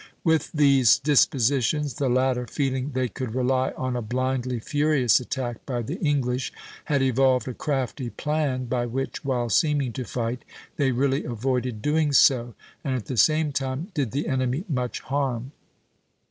With these dispositions the latter, feeling they could rely on a blindly furious attack by the English, had evolved a crafty plan by which, while seeming to fight, they really avoided doing so, and at the same time did the enemy much harm.